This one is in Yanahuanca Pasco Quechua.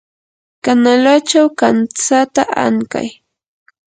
kanalachaw kamtsata ankay.